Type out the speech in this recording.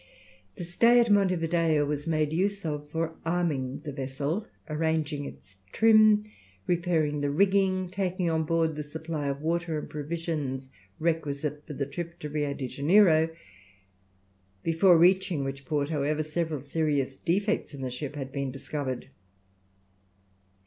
The stay at Monte Video was made use of for arming the vessel, arranging its trim, repairing the rigging, taking on board the supply of water and provisions requisite for the trip to Rio de Janeiro; before reaching which port, however, several serious defects in the ship had been discovered.